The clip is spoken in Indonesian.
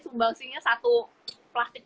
sumbangsinya satu plastik